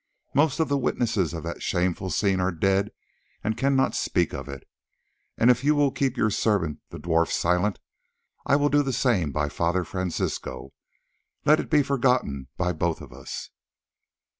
"Most of the witnesses of that shameful scene are dead and cannot speak of it, and if you will keep your servant the dwarf silent I will do the same by Father Francisco. Let it be forgotten by both of us."